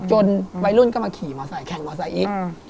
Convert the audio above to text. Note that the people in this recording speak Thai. จนวัยรุ่นก็มาขี่แข่งมอไซด์อีก